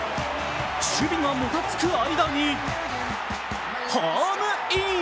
守備がもたつく間にホームイン。